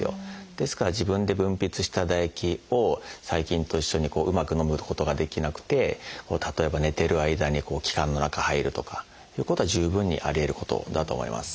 ですから自分で分泌した唾液を細菌と一緒にうまくのむことができなくて例えば寝てる間に気管の中へ入るとかいうことは十分にありえることだと思います。